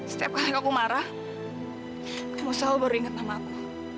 setiap kali kamu marah kamu selalu beringat nama aku